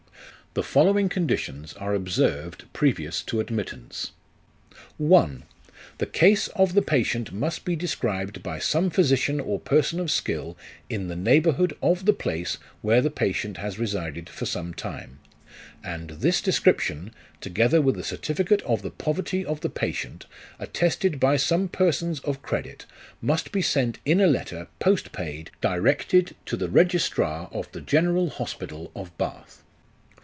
The following conditions are observed previous to admittance :" I. The case of the patient nrast be described by some physician or person of skill in the neighbourhood of the place where the patient has resided for some time ; and this description, together with a certificate of the poverty of the patient, attested by some persons of credit, must be sent in a letter, post paid, directed to the registrar of the General Hospital of Bath.